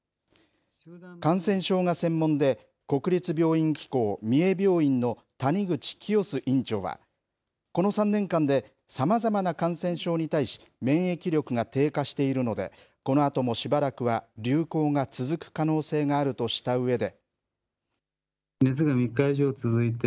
感染症が専門で、国立病院機構三重病院の谷口清州院長は、この３年間で、さまざまな感染症に対し、免疫力が低下しているので、このあともしばらくは流行が続く可能性があるとしたうえで。